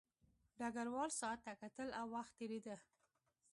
ډګروال ساعت ته کتل او وخت تېرېده